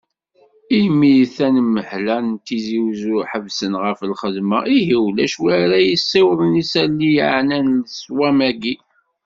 Imi tanmehla n Tizi Uzzu, ḥebsen ɣef lxedma, ihi ulac wid ara yessiwḍen isali yeɛnan leswam-agi.